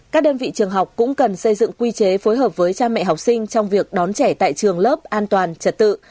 các đơn vị trường học cũng cần xây dựng quy chế phối hợp với cha mẹ học sinh trong việc đón trẻ tại trường lớp an toàn trật tự